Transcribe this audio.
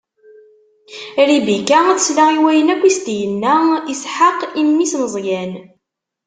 Ribika tesla i wayen akk i s-inna Isḥaq i mmi-s Meẓyan.